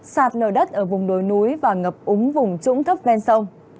sạt lờ đất ở vùng đồi núi và ngập úng vùng trũng thấp bên sông